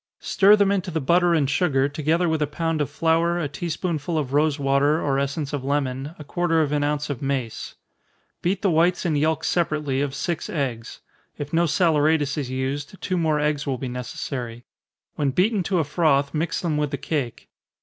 Stir them into the butter and sugar, together with a pound of flour, a tea spoonful of rosewater, or essence of lemon, a quarter of an ounce of mace. Beat the whites and yelks separately of six eggs if no saleratus is used, two more eggs will be necessary. When beaten to a froth, mix them with the cake.